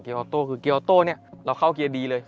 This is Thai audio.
เกียร์ออโต้คือเกียร์ออโต้เราเข้าเกียร์ดีเลย